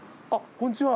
こんちは。